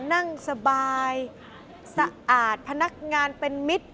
นั่งสบายสะอาดพนักงานเป็นมิตร